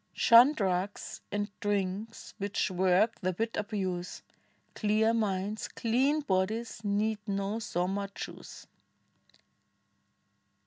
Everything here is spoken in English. Shun drugs and drinks which work the wit abuse: Clear minds, clean bodies, need no Soma juice.